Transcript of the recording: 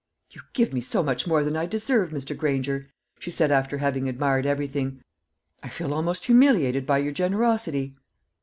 "You give me so much more than I deserve, Mr. Granger," she said, after having admired everything; "I feel almost humiliated by your generosity."